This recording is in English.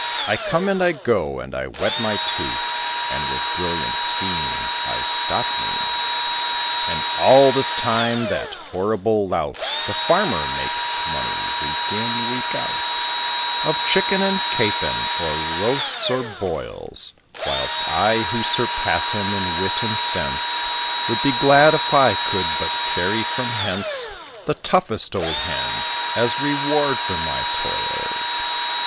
I come and I go, and I whet my tooth, And with brilliant schemes I stock me; And all this time that horrible lout, The Farmer, makes money, week in, week out, Of chicken and capon, or roasts or boils; Whilst I, who surpass him in wit and sense, Would be glad if I could but carry from hence The toughest old hen, as reward for my toils.